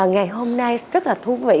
ngày hôm nay rất là thú vị